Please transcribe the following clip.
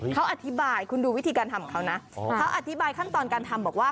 เขาอธิบายคุณดูวิธีการทำของเขานะเขาอธิบายขั้นตอนการทำบอกว่า